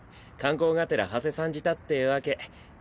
観光がてらはせ参じたってわけ。